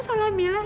ini salah mila kak